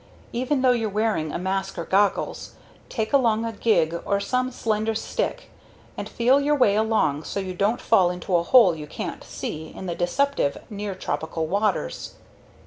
Even though you're wearing a mask or goggles, take along a gig or some slender stick and feel your way along so you don't fall into a hole you can't see in the deceptive near tropical waters.